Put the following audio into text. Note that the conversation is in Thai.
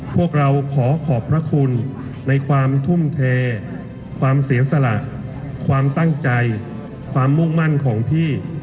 พวกเราขอขอบพระคุณในความทุ่มเทความเสียสละความตั้งใจความมุ่งมั่นของพี่